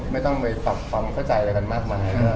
ไม่ต้องไปปรับความเข้าใจอะไรกันมากมาย